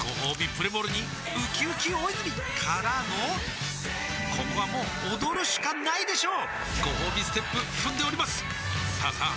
プレモルにうきうき大泉からのここはもう踊るしかないでしょうごほうびステップ踏んでおりますさあさあ